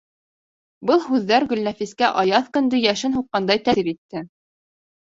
Был һүҙҙәр Гөлнәфискә аяҙ көндө йәшен һуҡҡандай тәьҫир итте.